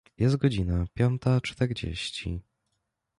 Jest godzina piąta czterdzieści.